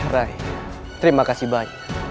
rai terima kasih banyak